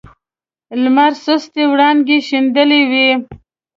لمر سستې وړانګې شیندلې وې.